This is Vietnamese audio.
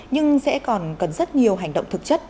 nhưng sẽ còn cần rất nhiều hành động thực chất